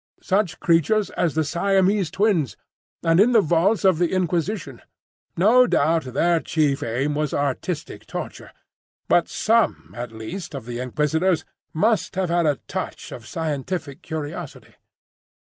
Such creatures as the Siamese Twins—And in the vaults of the Inquisition. No doubt their chief aim was artistic torture, but some at least of the inquisitors must have had a touch of scientific curiosity."